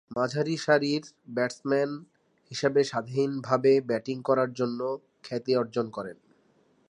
মাঝারিসারির batsman হিসেবে স্বাধীনভাবে batting করার জন্যে খ্যাতি অর্জন করেন।